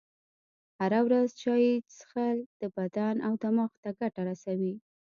هره ورځ چایی چیښل و بدن او دماغ ته ګټه رسوي.